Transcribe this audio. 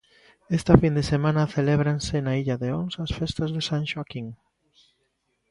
Esta fin de semana celébranse na Illa de Ons as festas de San Xoaquín.